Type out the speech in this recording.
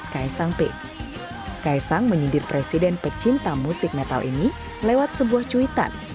kaisang p kaisang menyindir presiden pecinta musik metal ini lewat sebuah cuitan